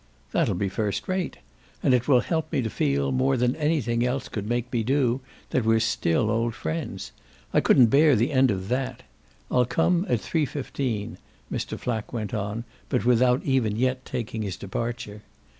"That'll be first rate. And it will help me to feel, more than anything else could make me do, that we're still old friends. I couldn't bear the end of THAT. I'll come at 3.15," Mr. Flack went on, but without even yet taking his departure.